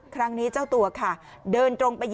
ครั้งนี้เจ้าตัวค่ะ